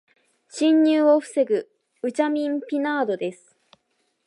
侵入を防ぐベウチェミン・ピナードです。